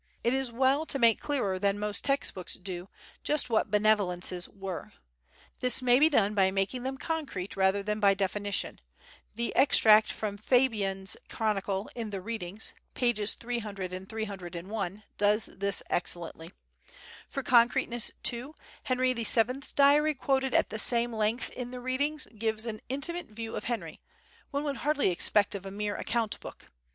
It is well to make clearer than most text books do just what "benevolences" were. This may be done by making them concrete rather than by definition. The extract from Fabyan's "Chronicle" in the "Readings," pp. 300 301, does this excellently. For concreteness, too, Henry VII's diary quoted at some length in the "Readings" gives an intimate view of Henry, one would hardly expect of a mere account book.